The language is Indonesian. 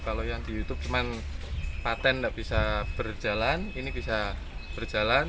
kalau yang di youtube cuma patent nggak bisa berjalan ini bisa berjalan